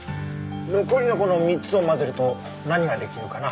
残りのこの３つを混ぜると何が出来るかな？